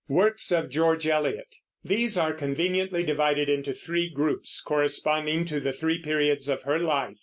WORKS OF GEORGE ELIOT. These are conveniently divided into three groups, corresponding to the three periods of her life.